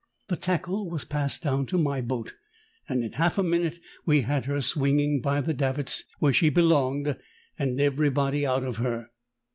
The tackle was passed down to my boat, and in half a minute we had her swinging by the davits where she belonged and everybody out of her.